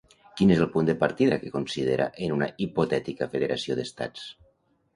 Quin és el punt de partida que considera en una hipotètica federació d'estats?